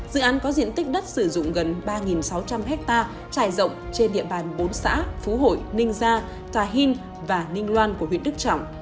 dự án có diện tích đất sử dụng gần ba sáu trăm linh hectare trải rộng trên địa bàn bốn xã phú hội ninh gia tà hìn và ninh loan của huyện đức trọng